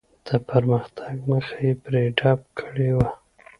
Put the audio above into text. د پرمختګ مخه یې پرې ډپ کړې وه.